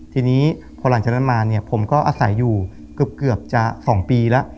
ทีนี้พอหลังจากนั้นมาเนี่ยผมก็อาศัยอยู่เกือบจะ๒ปีแล้ว